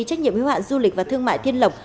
trách nhiệm hiếu hạn du lịch và thương mại thiên lộc